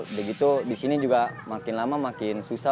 jadi gitu di sini juga makin lama makin susah